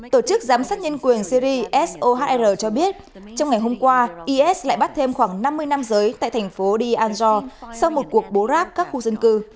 tổ chức giám sát nhân quyền syri sohr cho biết trong ngày hôm qua is lại bắt thêm khoảng năm mươi nam giới tại thành phố d anjor sau một cuộc bố ráp các khu dân cư